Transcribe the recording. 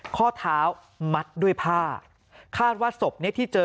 ข้อเท้ามัดด้วยผ้าคาดว่าศพนี้ที่เจอ